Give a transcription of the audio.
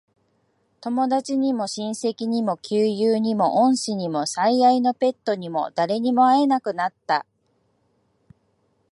友達にも、親戚にも、旧友にも、恩師にも、最愛のペットにも、誰にも会えなくなった。